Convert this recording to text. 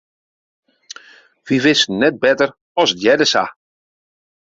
Wy wisten net better as it hearde sa.